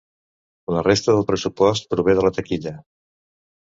La resta del pressupost prové de la taquilla.